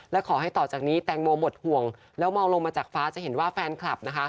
และขอให้ต่อจากนี้แตงโมหมดห่วงแล้วมองลงมาจากฟ้าจะเห็นว่าแฟนคลับนะคะ